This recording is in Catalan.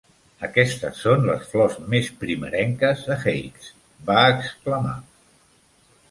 "Aquestes són les flors més primerenques a Heights", va exclamar.